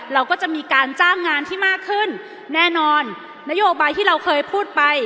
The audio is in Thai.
เราก็จะมีการจ้างงานที่มากขึ้นแน่นอนนโยบายที่เราเคยพูดไป